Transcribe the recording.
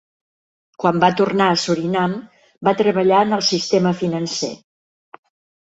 Quan va tornar a Surinam, va treballar en el sistema financer.